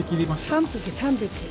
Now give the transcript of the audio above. ３匹、３匹。